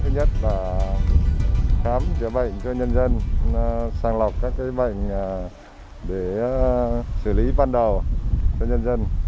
thứ nhất là khám chữa bệnh cho nhân dân sàng lọc các bệnh để xử lý ban đầu cho nhân dân